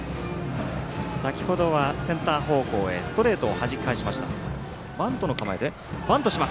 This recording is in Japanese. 先ほどはセンター方向へストレートをはじき返しました。